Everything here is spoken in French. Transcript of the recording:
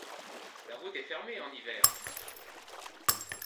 La route est fermée en hiver.